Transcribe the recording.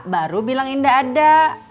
baru bilang indah ada